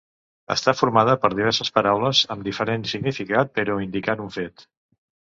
Està formada per diverses paraules amb diferent significat però indicant un fet.